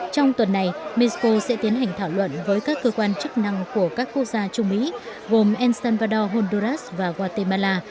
trong tuần này mexico sẽ tiến hành thảo luận với các cơ quan chức năng của các quốc gia trung mỹ gồm el salvador honduras và guatemala